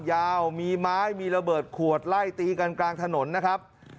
ยาวมีไม้มีระเบิดขวดไล่ตีกันกลางถนนนะครับ